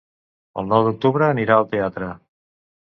El nou d'octubre anirà al teatre.